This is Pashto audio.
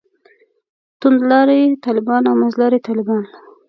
توندلاري طالبان او منځلاري طالبان.